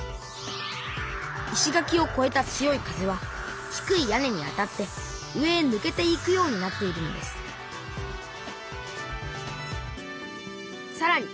石垣をこえた強い風は低い屋根に当たって上へぬけていくようになっているのですさらに